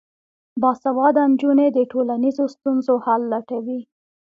باسواده نجونې د ټولنیزو ستونزو حل لټوي.